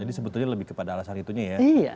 jadi sebetulnya lebih kepada alasan itunya ya